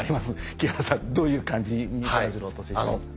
木原さんどういう感じにそらジローと接してますか？